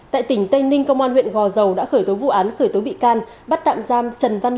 tại tỉnh tây ninh công an huyện gò dầu đã khởi tố vụ án khởi tố bị can bắt tạm giam trần văn